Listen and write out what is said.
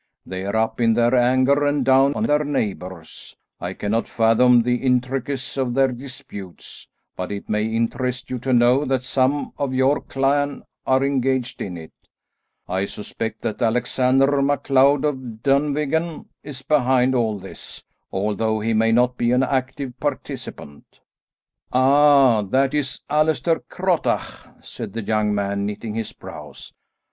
They're up in their anger and down on their neighbours. I cannot fathom the intricacies of their disputes, but it may interest you to know that some of your clan are engaged in it. I suspect that Alexander MacLeod of Dunvegan is behind all this, although he may not be an active participant." "Ah, that is Allaster Crottach," said the young man, knitting his brows.